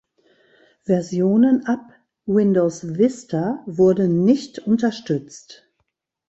Versionen ab Windows Vista wurden nicht unterstützt.